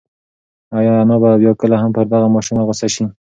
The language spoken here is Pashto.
ایا انا به بیا کله هم پر دغه ماشوم غوسه شي؟